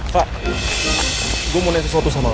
pak gue mau nanya sesuatu sama lo